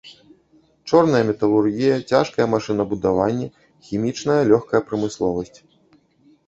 Чорная металургія, цяжкае машынабудаванне, хімічная, лёгкая прамысловасць.